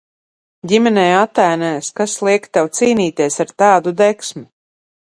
Ģimenei Atēnās, kas liek tev cīnīties ar tādu degsmi?